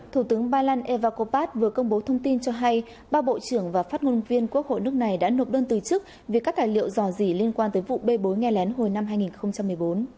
thủ tướng bailan evacopat vừa công bố thông tin cho hay ba bộ trưởng và phát ngôn viên quốc hội nước này đã nộp đơn từ chức vì các tài liệu rò rỉ liên quan tới vụ bê bối nghe lén hồi năm hai nghìn một mươi bốn